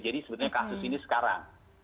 jadi sebetulnya kasus ini sekarang